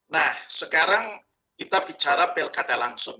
nah sekarang kita bicara pilkada langsung